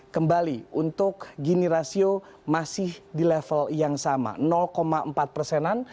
kembali untuk gini rasio masih di level yang sama empat persenan